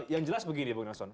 yang jelas begini bung nelson